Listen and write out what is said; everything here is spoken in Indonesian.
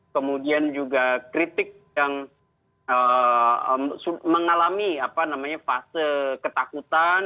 kemudian juga kritik yang mengalami apa namanya fase ketakutan